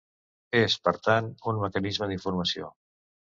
És, per tant, un mecanisme d'informació.